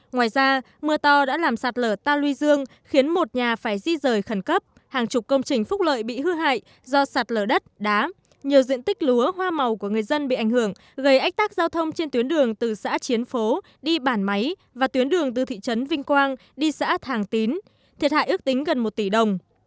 ngoài ra mưa to đã làm sạt lở ta luy dương khiến một nhà phải di rời khẩn cấp hàng chục công trình phúc lợi bị hư hại do sạt lở đất đá nhiều diện tích lúa hoa màu của người dân bị ảnh hưởng gây ách tác giao thông trên tuyến đường từ xã chiến phố đi bản máy và tuyến đường từ thị trấn vinh quang đi xã thàng tín thiệt hại ước tính gần một tỷ đồng